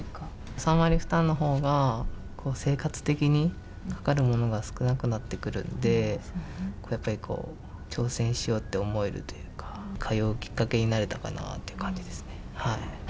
３割負担のほうが、生活的にかかるものが少なくなってくるんで、やっぱりこう、挑戦しようと思えるというか、通うきっかけになれたかなという感じですね。